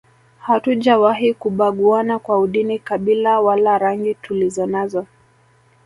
Hatujawahi kubaguana kwa udini kabila wala rangi tulizonazo